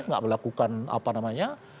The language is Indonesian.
nggak melakukan apa namanya